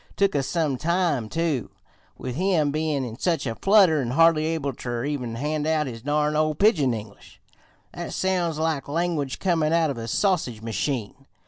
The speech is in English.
Took us some time, too, with him bein' in such a flutter an' hardly able ter even hand out his darn ol' pigeon English, that sounds like language comin' out of a sausage machine.